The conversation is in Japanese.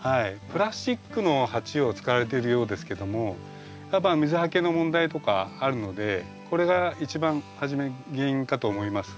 プラスチックの鉢を使われてるようですけどもやっぱ水はけの問題とかあるのでこれが一番初め原因かと思います。